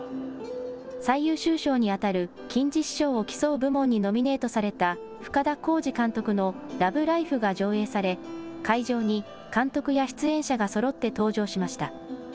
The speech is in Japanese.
最優秀賞にあたる金獅子賞を競う部門にノミネートされた、深田晃司監督のＬＯＶＥＬＩＦＥが上映され、会場に監督や出演者がそろって登場しました。